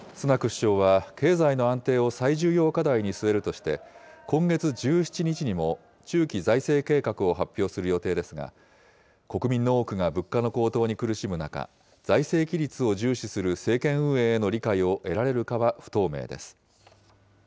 首相は、経済の安定を最重要課題に据えるとして、今月１７日にも中期財政計画を発表する予定ですが、国民の多くが物価の高騰に苦しむ中、財政規律を重視する政権運営への理解を得られるかは不透明です。